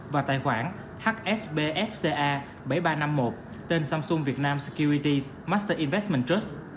và tài khoản hsbfca bảy nghìn ba trăm năm mươi một tên samsung vietnam securities master investment trust